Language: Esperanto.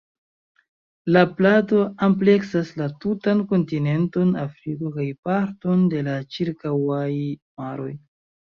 La plato ampleksas la tutan kontinenton Afriko kaj parton de la ĉirkaŭaj maroj.